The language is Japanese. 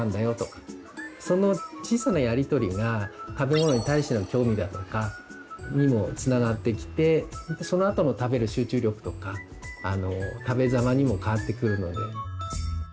その小さなやり取りが食べ物に対しての興味だとかにもつながってきてそのあとの食べる集中力とかあの食べざまにもかわってくるので。